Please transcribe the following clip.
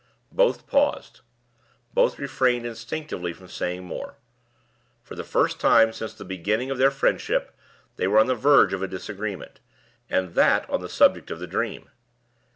Both paused; both refrained instinctively from saying more. For the first time since the beginning of their friendship they were on the verge of a disagreement, and that on the subject of the dream.